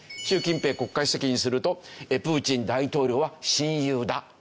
習近平国家主席にするとプーチン大統領は親友だ。